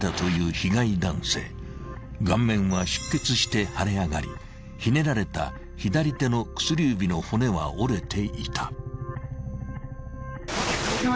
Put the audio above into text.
［顔面は出血して腫れ上がりひねられた左手の薬指の骨は折れていた］